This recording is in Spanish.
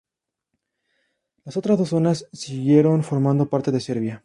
Las otras dos zonas siguieron formando parte de Serbia.